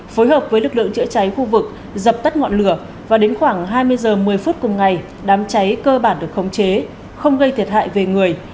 phối hợp với lực lượng chữa cháy khu vực dập tắt ngọn lửa và đến khoảng hai mươi h một mươi phút cùng ngày đám cháy cơ bản được khống chế không gây thiệt hại về người